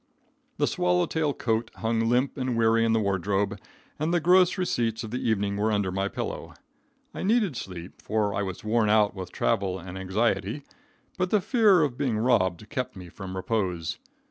The swallow tail coat hung limp and weary in the wardrobe, and the gross receipts of the evening were under my pillow. I needed sleep, for I was worn out with travel and anxiety, but the fear of being robbed kept me from repose.